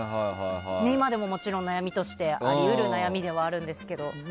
今でももちろん、悩みとしてあり得る悩みではあるんですけど。